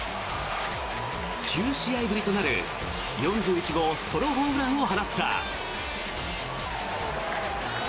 ９試合ぶりとなる４１号ソロホームランを放った。